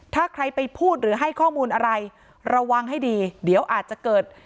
ถ้าใครไปพูดหรือให้ข้อมูลอะไรระวังให้ดีเดี๋ยวอาจจะเกิด